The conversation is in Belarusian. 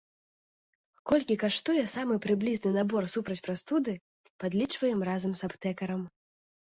Колькі каштуе самы прыблізны набор супраць прастуды, падлічваем разам з аптэкарам.